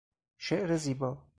شعر زیبا